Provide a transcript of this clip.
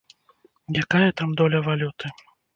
Якая там доля валюты?